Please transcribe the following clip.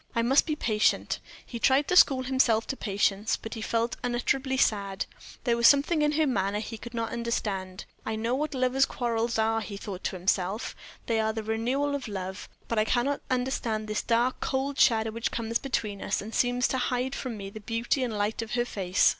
I must be patient." He tried to school himself to patience, but he felt unutterably sad. There was something in her manner he could not understand. "I know what lovers' quarrels are," he thought to himself "they are the renewal of love; but I cannot understand this dark, cold shadow which comes between us, and seems to hide from me the beauty and light of her face."